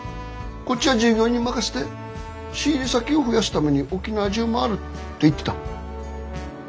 こっちは従業員に任せて仕入れ先を増やすために沖縄中回るって言ってた。